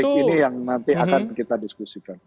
ini titik ini yang nanti akan kita diskusikan